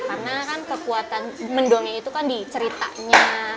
karena kan kekuatan mendongeng itu kan di ceritanya